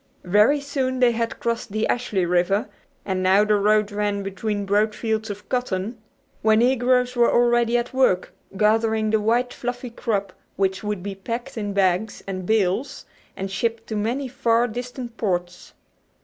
Very soon they had crossed the Ashley River, and now the road ran between broad fields of cotton where negroes were already at work gathering the white fluffy crop which would be packed in bags and bales and shipped to many far distant ports.